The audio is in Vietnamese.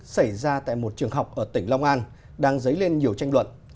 xảy ra tại một trường học ở tỉnh long an đang dấy lên nhiều tranh luận